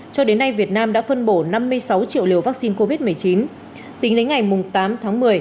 cho đến nay việt nam đã phân bổ năm mươi sáu triệu liều vaccine covid một mươi chín tính đến ngày tám tháng một mươi